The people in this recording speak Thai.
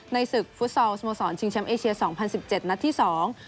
ในศึกฟุตซอลสโมสรชิงแชมป์เอเชีย๒๐๑๗นัดที่สอง